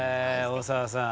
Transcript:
大沢さん